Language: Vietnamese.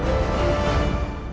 hẹn gặp lại